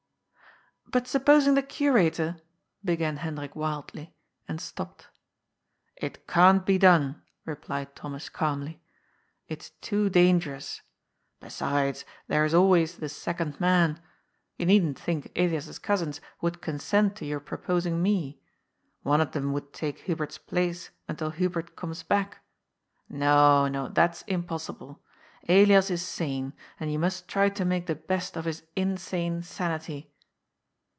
" But supposing the curator " began Hendrik wildly — and stopped. " It can't be done," replied Thomas calmly. " It's too dangerous. Besides, there is always the second man. You needn't think Elias's cousins would consent to your pro posing me. One of them would take Hubert's place until Hubert comes back. No, no, that is impossible. Elias is sane, and you must try to make the best of his insane sanity."